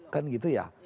kan gitu ya